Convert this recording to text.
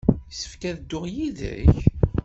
Yessefk ad dduɣ yid-k?